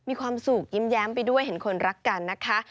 มีความสุขยิ้มแย้มไปด้วยเห็นคนรักกันนะคะ